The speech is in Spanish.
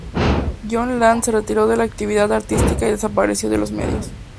Jolly Land se retiró de la actividad artística y desapareció de los medios.